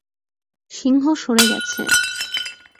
সিংহ সরে গেছে।